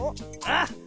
あっ！